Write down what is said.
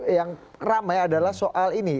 yang ramai adalah soal ini